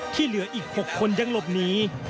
ที่เหลืออีก๖คนยังหลบหนี